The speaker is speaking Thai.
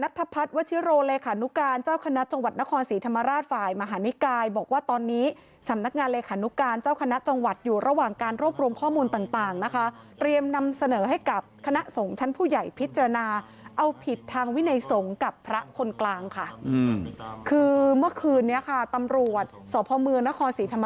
คือเมื่อคืนนี้ค่ะตำรวจสอบภมือนครศรีธรรมาราชไปที่วัดวังตัวนออก